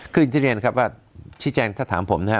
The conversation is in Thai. คือที่เรียนครับว่าชิ้นแจงถ้าถามผมนะครับ